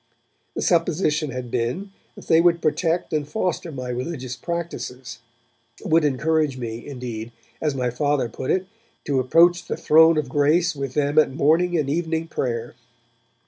The supposition had been that they would protect and foster my religious practices; would encourage me, indeed, as my Father put it, to approach the Throne of Grace with them at morning and evening prayer.